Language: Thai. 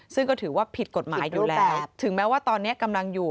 ซึ่งก็ถือว่าผิดกฎหมายอยู่แล้วถึงแม้ว่าตอนนี้กำลังอยู่